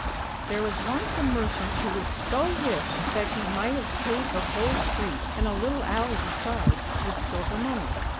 THERE was once a merchant who was so rich that he might have paved the whole street, and a little alley besides, with silver money.